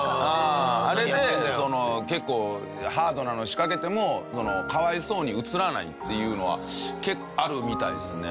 あれで結構ハードなの仕掛けてもかわいそうに映らないっていうのはあるみたいですね。